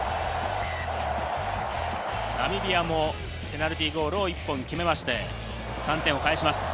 ナミビアもペナルティーゴールを１本決めまして、３点を返します。